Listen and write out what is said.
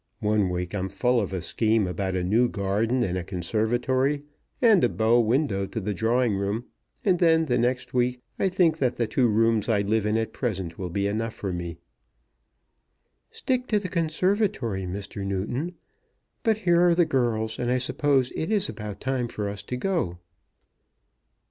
One week I'm full of a scheme about a new garden and a conservatory, and a bow window to the drawing room; and then, the next week, I think that the two rooms I live in at present will be enough for me." "Stick to the conservatory, Mr. Newton. But here are the girls, and I suppose it is about time for us to go."